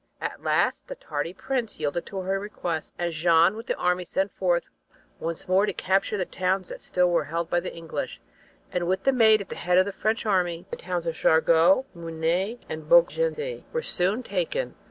At last the tardy prince yielded to her request, and Jeanne with the army set forth once more to capture the towns that still were held by the English and with the Maid at the head of the French army the towns of Jargeau, Meuny and Beaugency were soon taken.